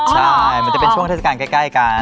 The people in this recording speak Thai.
ใช่มันจะเป็นช่วงเทศกาลใกล้กัน